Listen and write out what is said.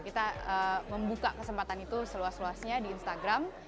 kita membuka kesempatan itu seluas luasnya di instagram